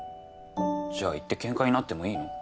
じゃあ言ってケンカになってもいいの？